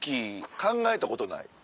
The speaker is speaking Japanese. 考えたことない？